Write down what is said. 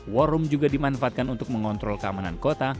war room juga dimanfaatkan untuk mengontrol keamanan kota